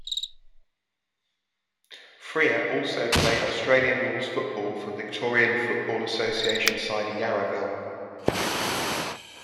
Freer also played Australian rules football for Victorian Football Association side Yarraville.